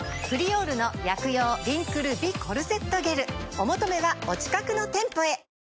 お求めはお近くの店舗へ。